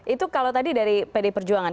itu kalau tadi dari pd perjuangan